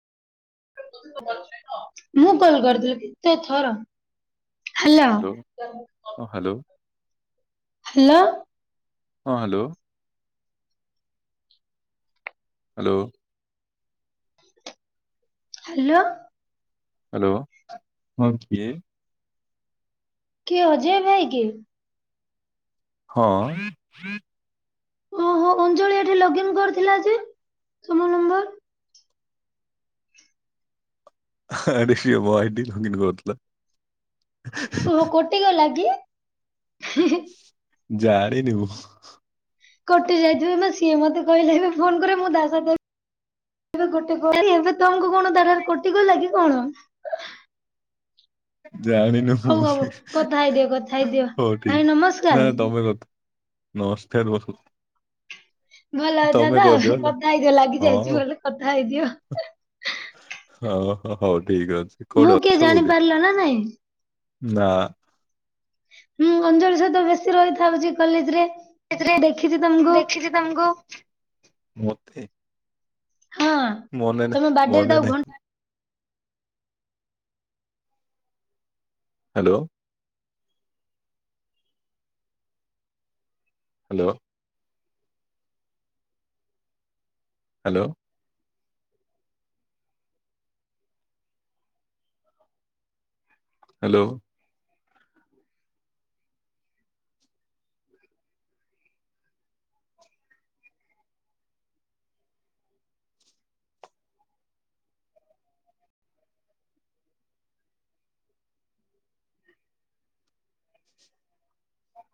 ମୁଁ କଲ କରିଥିଲି କେତେଥର ହାଲୋ। ହଁ ହ୍ୟାଲୋ। ହାଲୋ। ହଁ ହ୍ୟାଲୋ। ହ୍ୟାଲୋ। ହ୍ୟାଲୋ। ହ୍ୟାଲୋ ହଁ କିଏ? କିଏ ଅଜୟ ଭାଇ କି? ହଁ। ଓହୋ ଅଞ୍ଜଳି ଏଠି ଲଗିନ୍ନ କରିଥିଲା ଯେ ତୁମ ନମ୍ବର ଆରେ ସେ ମୋ ଆଇଡି ଲଗିନ୍ କରିଥିଲା। ଓହୋ କୋଟି ଗଲାକି ହି ହି ଜାଣିିନି ମୁଁ। କୋଟି ଯାଇଥିବେ ମେ ସିଏ ମତେ କହିଲେ ଏବେ ଫୋନ କରେ ମୁଁ ଦା ସହିତ ଏବେ ଏ ଗୋଟେ [unintelligible] ଏବେ ତମକୁ କଣ ଦାରାର କଟି ଗଲାକି କଣ? ଜାଣିନି ହଉ ହଉ ମୁଁବି କଥା ହେଇଦିଅ କଥା ହେଇଦିଅ। ହଉ ଭାଇ ଠିକ ନମସ୍କାର ନା ତମେ କଥା ନମସ୍କାର ବଧୁ। ଭଲ ଅଛ ତ କହିଦିଅ ହେଲା କଥା ହେଇଦିଅ ଲାଗି ହଁ ଯାଇଛି ଭଲ କଥା ହେଇଯିବ ହ ହ ହଉ ଠିକ ଅଛି। କୋଉଠି ମୁଁ ଅଛ କିଏ ଜାଣି କୋଉଠି ପାରିଲ ନା ନାଇଁ? ନା ହୁଁ ଅଞ୍ଜଳି ସହିତ ବେଶୀ ରହିଥାଉ ଯିଏ କଲେଜରେ ସେଥିରେ ମୁଁ ଦେଖିଛି ମୁଁ ତମକୁ ଦେଖିଛି ତମକୁ ମତେ ହଁ। ମନେ ନା ତମେ ବାର୍ଥଡେରେ ମନେ ତାକୁ ଘ ନାହଁ। ହ୍ୟାଲୋ। ହ୍ୟାଲୋ। ହ୍ୟାଲୋ। ହ୍ୟାଲୋ।